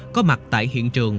có mặt tại hiện trường